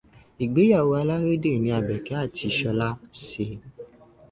Ìgbéyàwó alárédè ni Àbẹ̀kẹ́ ati Ìṣọ̀lá se.